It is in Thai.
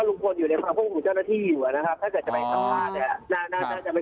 อยู่ในความควบคุมของเจ้าหน้าที่อยู่อะนะครับ